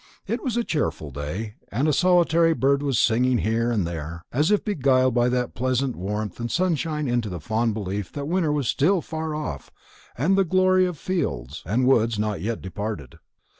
It was a cheerful day, and a solitary bird was singing here and there, as if beguiled by that pleasant warmth and sunshine into the fond belief that winter was still far off and the glory of fields and woods not yet departed.